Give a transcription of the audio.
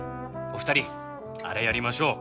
お二人あれやりましょう！